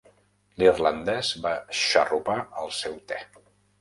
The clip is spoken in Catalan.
L'irlandès va xarrupar el seu té.